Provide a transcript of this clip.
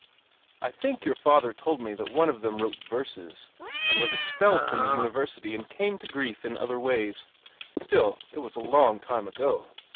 "I think your father told me that one of them wrote verses, and was expelled from the Uni versity and came to grief in other ways. Still, it was along time ago.